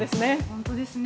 本当ですね。